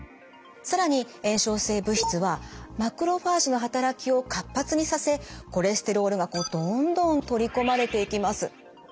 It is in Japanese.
更に炎症性物質はマクロファージの働きを活発にさせコレステロールがどんどん取り込まれていきます。